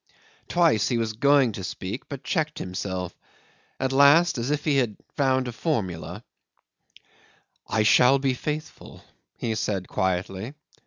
Twice he was going to speak, but checked himself; at last, as if he had found a formula '"I shall be faithful," he said quietly.